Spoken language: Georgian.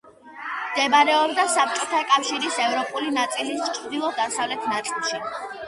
მდებარეობდა საბჭოთა კავშირის ევროპული ნაწილის ჩრდილო-დასავლეთ ნაწილში.